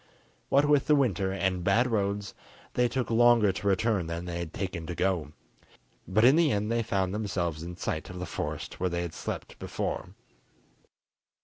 What with the winter and bad roads they took longer to return than they had taken to go, but in the end they found themselves in sight of the forest where they had slept before.